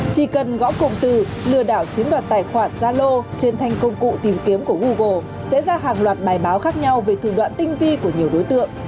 chỉ cần gõ cụm từ lừa đảo chiếm đoạt tài khoản zalo trên thanh công cụ tìm kiếm của google sẽ ra hàng loạt bài báo khác nhau về thủ đoạn tinh vi của nhiều đối tượng